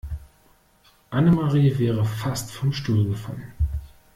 Annemarie wäre fast vom Stuhl gefallen.